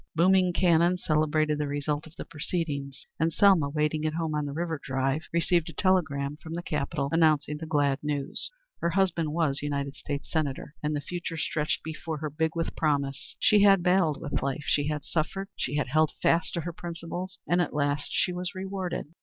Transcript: Booming cannon celebrated the result of the proceedings, and Selma, waiting at home on the River Drive, received a telegram from the capital announcing the glad news. Her husband was United States Senator, and the future stretched before her big with promise. She had battled with life, she had suffered, she had held fast to her principles, and at last she was rewarded.